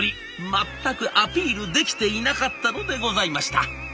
全くアピールできていなかったのでございました。